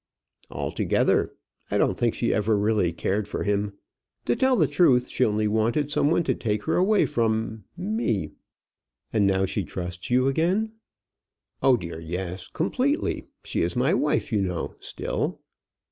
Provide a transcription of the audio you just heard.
"Altogether, I don't think she ever really cared for him. To tell the truth, she only wanted some one to take her away from me." "And now she trusts you again?" "Oh dear, yes; completely. She is my wife, you know, still."